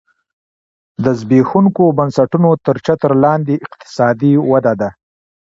دا د زبېښونکو بنسټونو تر چتر لاندې اقتصادي وده ده